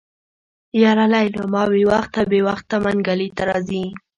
يره ليلما بې وخته بې وخته منګلي ته راځي.